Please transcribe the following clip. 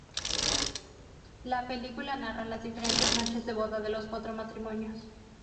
La película narra las diferentes noches de boda de los cuatro matrimonios.